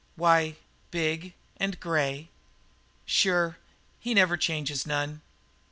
"Why, big and grey." "Sure. He never changes none.